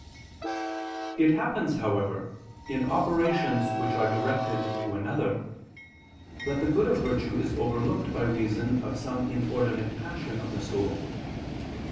It happens, however, in operations which are directed to another, that the good of virtue is overlooked by reason of some inordinate passion of the soul.